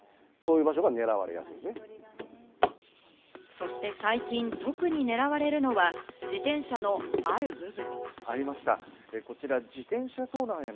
そして最近、特に狙われるのは自転車のある部分。